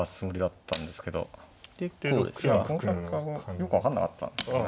よく分かんなかったんですよね。